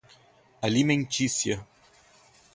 alimentícia